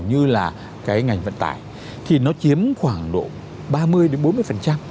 như là cái ngành vận tải thì nó chiếm khoảng độ ba mươi đến bốn mươi